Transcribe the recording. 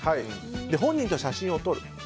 本人と写真を撮ると。